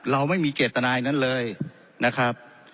เราไม่มีเจตนาอย่างนั้นเลยนะครับ